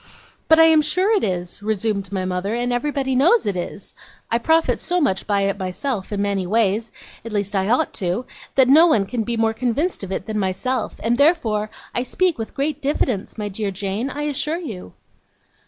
'But I am sure it is,' resumed my mother; 'and everybody knows it is. I profit so much by it myself, in many ways at least I ought to that no one can be more convinced of it than myself; and therefore I speak with great diffidence, my dear Jane, I assure you.